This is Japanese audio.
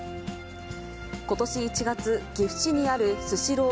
ことし１月、岐阜市にあるスシロー